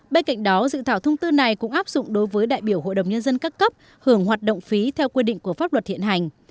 bên cạnh đó dự thảo thông tư này cũng áp dụng đối với đại biểu hội đồng nhân dân các cấp hưởng hoạt động phí theo quy định của pháp luật hiện hành